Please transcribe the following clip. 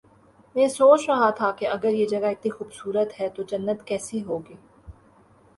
میں سوچ رہا تھا کہ اگر یہ جگہ اتنی خوب صورت ہے تو جنت کیسی ہو گی